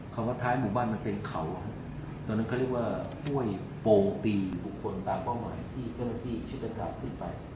เขาก็ท้ายหมู่บ้านมาเต็มเขาตะนั้นเขาเรียกว่าปล้วยโปตีบุคคลตามก้อนหมายที่เท่านั้นที่ฉุกเรากลับขึ้นไป